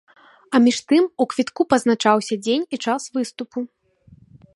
А між тым у квітку пазначаўся дзень і час выступу.